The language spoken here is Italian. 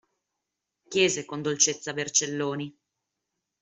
Chiese con dolcezza Vercelloni.